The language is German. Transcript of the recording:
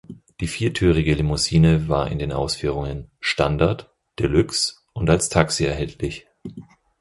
Die viertürige Limousine war in den Ausführungen "Standard", "De Luxe" und als Taxi erhältlich.